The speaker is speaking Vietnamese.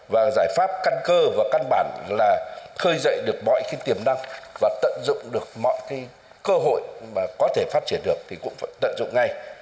và giải pháp căn cơ và căn bản là khơi dậy được mọi cái tiềm năng và tận dụng được mọi cái cơ hội mà có thể phát triển được thì cũng phải tận dụng ngay